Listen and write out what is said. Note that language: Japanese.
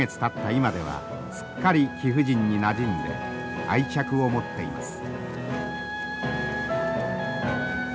今ではすっかり貴婦人になじんで愛着を持っています。